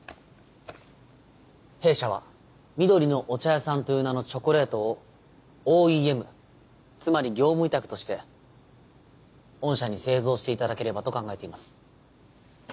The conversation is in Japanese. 弊社は「緑のお茶屋さん」という名のチョコレートをＯＥＭつまり業務委託として御社に製造していただければと考えています。